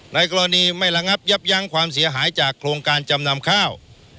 ในกรณีไม่ระงับยับยั้งความเสียหายจากโครงการจำนำข้าว